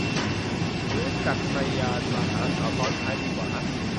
ซื้อจักรยานมาหาสาวซ้อนท้ายดีกว่าฮะ